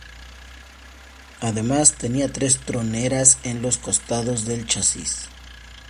Además tenía tres troneras en los costados del chasis.